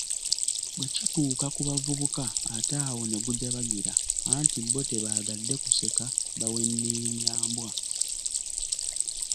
Bwe kituuka ku bavubuka ate awo ne gujabagalira anti bo tebaagadde kuseka baweneenya mbwa!